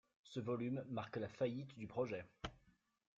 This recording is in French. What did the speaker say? Ce volume marque la faillite du projet.